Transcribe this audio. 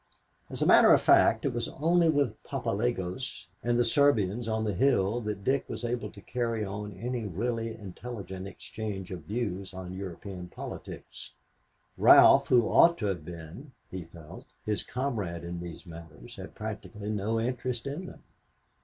As a matter of fact it was only with Papalagos and the Serbians on the hill that Dick was able to carry on any really intelligent exchange of views on European politics. Ralph, who ought to have been, he felt, his comrade in these matters, had practically no interest in them.